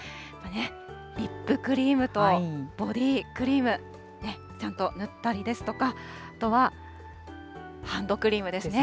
リップクリームとボディークリーム、ちゃんと塗ったりですとか、あとは、ハンドクリームですね。